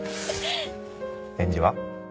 返事は？